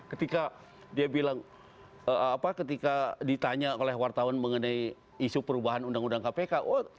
ketika dia bilang ketika ditanya oleh wartawan mengenai isu perubahan undang undang kpk